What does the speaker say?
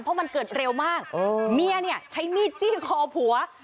เพราะมันเกิดเร็วมากเมียเนี่ยใช้มีดจี้คอผัว